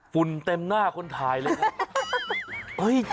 ฝุ่นเต็มหน้าคนทายเลย